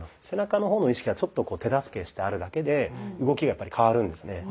背中の方の意識がちょっと手助けしてあるだけで動きがやっぱり変わるんですね。